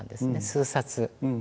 数冊。